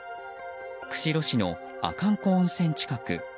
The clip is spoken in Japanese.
釧路市の阿寒湖温泉近く。